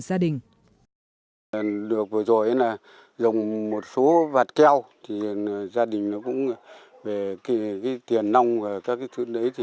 gia đình được vừa rồi là dùng một số vạt keo thì gia đình nó cũng về cái tiền nông và các cái thứ đấy thì